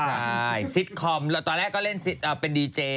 ใช่ซิตคอมแล้วตอนแรกก็เล่นเป็นดีเจ